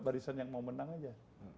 barisan yang mau menang aja